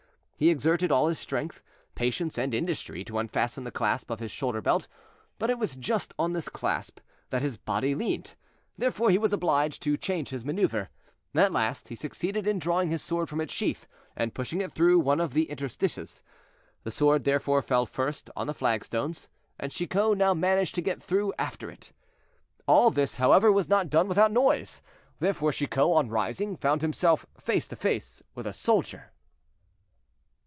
He exerted all his strength, patience and industry, to unfasten the clasp of his shoulder belt; but it was just on this clasp that his body leaned, therefore he was obliged to change his maneuver, and at last he succeeded in drawing his sword from its sheath and pushing it through one of the interstices; the sword therefore fell first on the flagstones, and Chicot now managed to get through after it. All this, however, was not done without noise, therefore Chicot, on rising, found himself face to face with a soldier.